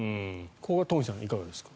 ここは東輝さんいかがですか？